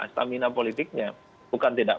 stamina politiknya bukan tidak